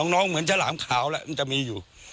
น้องเหมือนฉลามขาวแล้วมันจะมีอยู่